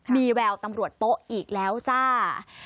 มีแววตำรวจโป๊ะอีกแล้วจ้า